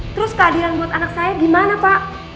terus keadilan buat anak saya gimana pak